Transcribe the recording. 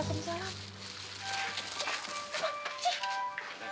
ini berapa bang